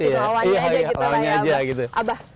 ikutin lawannya aja gitu abah